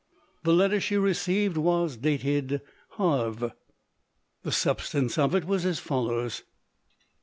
The letter she received was dated Havre : the substance of it was as follow^.